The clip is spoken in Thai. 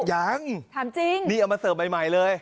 ยังนี่เอามาเสิร์ฟใหม่เลย